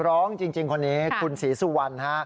ร้องจริงคนนี้คุณศรีสุวรรณฮะ